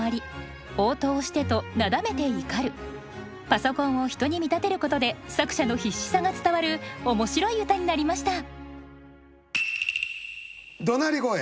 パソコンを人に見立てることで作者の必死さが伝わる面白い歌になりました。